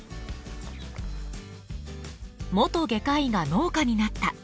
元外科医が農家になった。